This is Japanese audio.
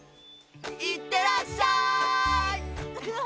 いってらっしゃい！